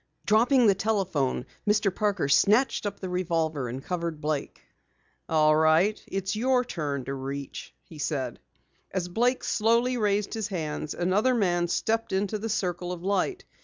Dropping the telephone, Mr. Parker snatched up the weapon and covered Blake. "All right, it's your turn to reach," he said. As Blake slowly raised his hands, another man stepped into the circle of light.